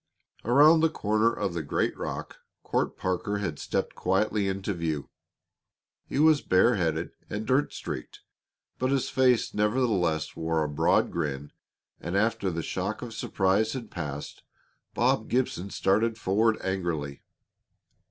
Around the corner of the great rock Court Parker had stepped quietly into view. He was bareheaded and dirt streaked, but his face nevertheless wore a broad grin, and after the first shock of surprise had passed, Bob Gibson started forward angrily.